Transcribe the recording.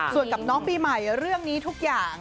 ส่วนกับน้องปีใหม่เรื่องนี้ทุกอย่าง